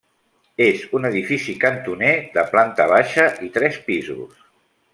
És un edifici cantoner de planta baixa i tres pisos.